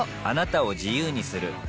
あなたを自由にする